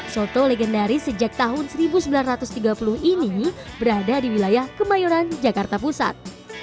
soto legendaris sejak tahun seribu sembilan ratus tiga puluh ini berada di wilayah kemayoran jakarta pusat